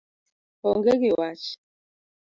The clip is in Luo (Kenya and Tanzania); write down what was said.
Onge gi wach.